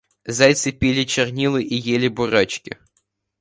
Зайцы пили чернила и ели бурачки!